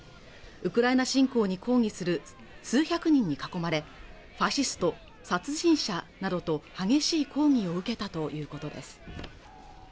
ウクライナ侵攻に抗議する数百人に囲まれファシスト殺人者などと激しい抗議を受けたということです